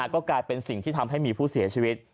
ก็กลายเป็นสิ่งที่ทำให้มีผู้เสียชีวิต